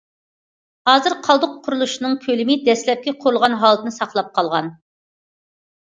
ھازىرقى قالدۇق قۇرۇلۇشنىڭ كۆلىمى دەسلەپكى قۇرۇلغان ھالىتىنى ساقلاپ قالغان.